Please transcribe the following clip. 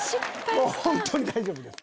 もう本当に大丈夫です。